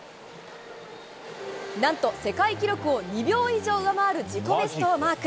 なんと、世界記録を２秒以上上回る自己ベストをマーク。